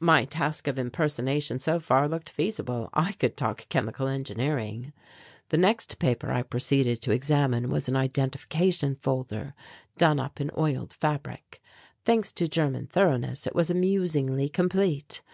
My task of impersonation so far looked feasible I could talk chemical engineering. The next paper I proceeded to examine was an identification folder done up in oiled fabric. Thanks to German thoroughness it was amusingly complete.